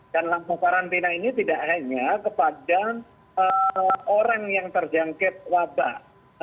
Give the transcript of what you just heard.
dan langkah karantina ini tidak hanya kepada orang yang terjangkit wabah